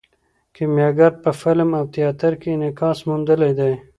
کیمیاګر په فلم او تیاتر کې انعکاس موندلی دی.